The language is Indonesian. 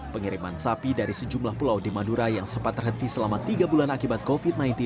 pengiriman sapi dari sejumlah pulau di madura yang sempat terhenti selama tiga bulan akibat covid sembilan belas